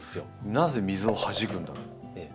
なぜ水をはじくんだろう。